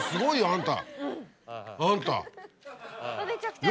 あんた。